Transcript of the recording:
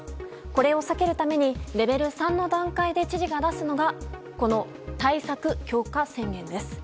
これを避けるためにレベル３の段階で知事が出すのが対策強化宣言です。